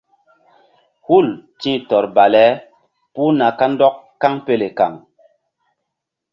Hul ti̧h tɔr bale puh na kandɔk kaŋpele kaŋ.